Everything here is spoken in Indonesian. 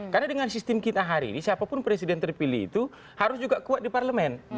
karena dengan sistem kita hari ini siapapun presiden terpilih itu harus juga kuat di parlemen